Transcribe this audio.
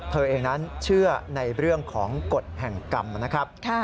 เธอเองนั้นเชื่อในเรื่องของกฎแห่งกรรมนะครับ